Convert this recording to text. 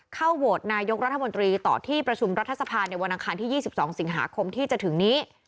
โหวตนายกรัฐมนตรีต่อที่ประชุมรัฐสภาในวันอังคารที่๒๒สิงหาคมที่จะถึงนี้